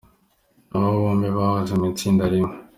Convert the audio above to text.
Aba bombi bahoze mu itsinda rimwe.